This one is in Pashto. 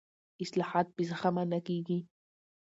اصلاحات بې زغمه نه کېږي